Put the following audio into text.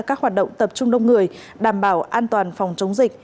các hoạt động tập trung đông người đảm bảo an toàn phòng chống dịch